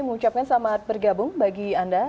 mengucapkan selamat bergabung bagi anda